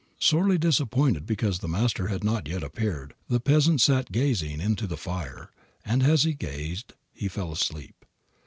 Sorely disappointed because the Master had not appeared, the peasant sat gazing into the fire, and as he gazed he fell asleep.